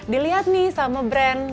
dilihat nih sama brand